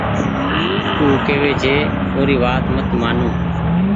او ڪوي اور وآت مت مآنو